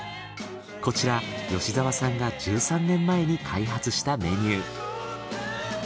こちら吉沢さんが１３年前に開発したメニュー。